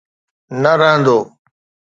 نه رهندو.